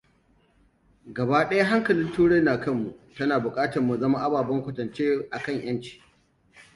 Gaba ɗaya hankalin Turai na kanmu, tana buƙatar mu zama ababen kwatance kan ƴanci.